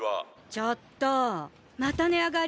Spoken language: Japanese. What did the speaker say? ちょっとまた値上がり？